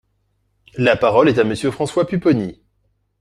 La parole est à Monsieur François Pupponi.